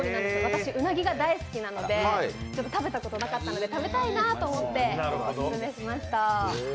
私、うなぎが大好きなので食べたことなかったので食べたいなと思って紹介しました。